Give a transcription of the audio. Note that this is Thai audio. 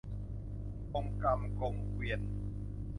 กงกรรมกงเกวียน